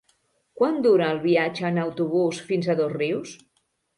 Quant dura el viatge en autobús fins a Dosrius?